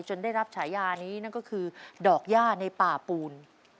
ได้รับฉายานี้นั่นก็คือดอกย่าในป่าปูน